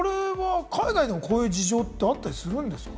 これは海外でもこういう事情ってあったりするんですか？